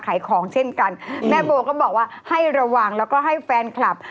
ของเช่นกันแม่โบก็บอกว่าให้ระวังแล้วก็ให้แฟนคลับ